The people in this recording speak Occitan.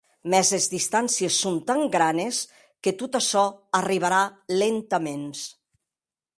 Mès es distàncies son tan granes que tot açò arribarà lentaments.